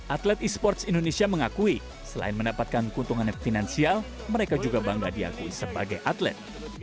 atlet e sports indonesia mengakui selain mendapatkan keuntungan finansial mereka juga bangga diakui sebagai atlet